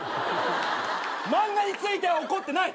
漫画については怒ってない。